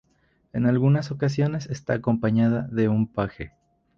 En algunas ocasiones está acompañada de un Paje.